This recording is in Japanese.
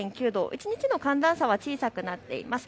一日の寒暖差は小さくなっています。